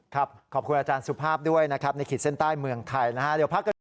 ครับขอบคุณอาจารย์สุภาพด้วยนะครับในขีดเส้นใต้เมืองไทยนะฮะ